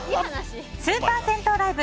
スーパー銭湯ライブ